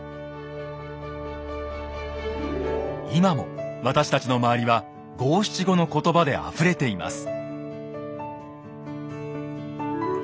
今も私たちの周りは５７５のことばであふれています。